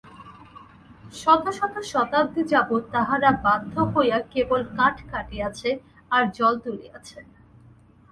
শত শত শতাব্দী যাবৎ তাহারা বাধ্য হইয়া কেবল কাঠ কাটিয়াছে, আর জল তুলিয়াছে।